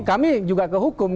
kami juga ke hukum